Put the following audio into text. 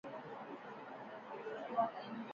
Asilimia thelathini ya wanyama wenye maambukizi hufa